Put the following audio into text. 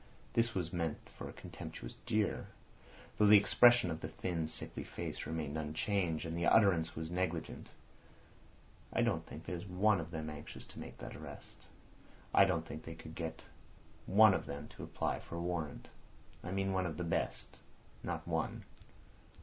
This was meant for a contemptuous jeer, though the expression of the thin, sickly face remained unchanged, and the utterance was negligent. "I don't think there's one of them anxious to make that arrest. I don't think they could get one of them to apply for a warrant. I mean one of the best. Not one."